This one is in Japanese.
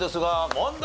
問題。